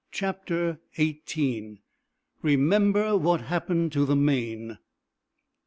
CHAPTER XVIII "REMEMBER WHAT HAPPENED TO THE 'MAINE'!"